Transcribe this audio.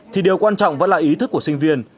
thì điều quan trọng vẫn là ý thức của sinh viên